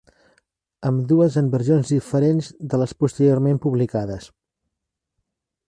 Ambdues en versions diferents de les posteriorment publicades.